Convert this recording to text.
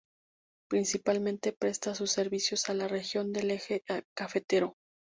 Principalmente presta sus servicios a la región del Eje cafetero.